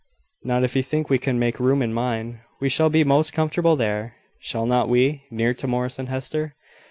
"Not if you think we can make room in mine. We shall be most comfortable there, shall not we near to Morris and Hester?"